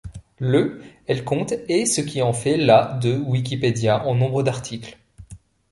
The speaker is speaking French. Le elle compte et ce qui en fait la de Wikipédia en nombre d'articles.